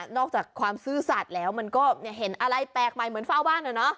อกจากความซื่อสัตว์แล้วมันก็เห็นอะไรแปลกใหม่เหมือนเฝ้าบ้าน